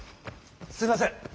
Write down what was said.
すいません！